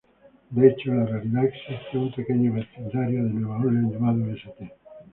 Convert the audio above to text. De hecho, en la realidad existe un pequeño vecindario de Nueva Orleans llamado St.